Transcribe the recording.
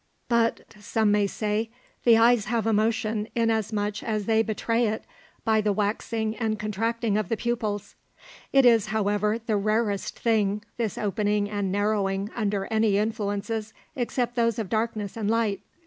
But, some may say, the eyes have emotion inasmuch as they betray it by the waxing and contracting of the pupils. It is, however, the rarest thing, this opening and narrowing under any influences except those of darkness and light.